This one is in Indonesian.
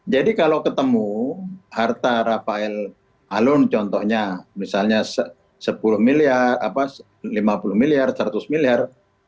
jadi kalau ketemu harta rafael alun contohnya misalnya sepuluh miliar lima puluh miliar seratus miliar